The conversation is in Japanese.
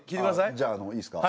じゃあいいですか？